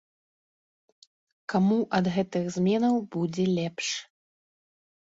Каму ад гэтых зменаў будзе лепш?